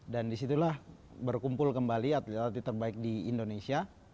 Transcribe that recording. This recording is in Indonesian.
dan disitulah berkumpul kembali atlet atlet terbaik di indonesia